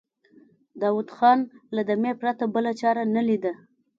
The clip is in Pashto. داوود خان له دمې پرته بله چاره نه ليده.